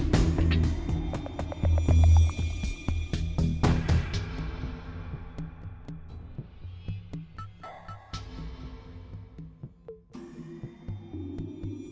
โปรดติดตามตอนต่อไป